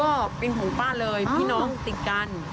ก็เป็นห่วงป้าเลยพี่น้องติดกัน